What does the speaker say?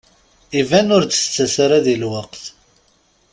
Iban ur d-tettas ara di lweqt.